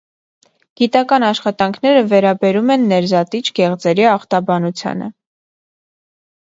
Գիտական աշխատանքները վերաբերում են ներզատիչ գեղձերի ախտաբանությանը։